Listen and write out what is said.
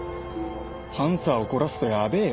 パンサー怒らすとやべえよ？